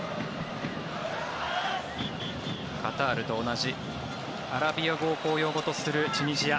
カタールと同じアラビア語を公用語とするチュニジア。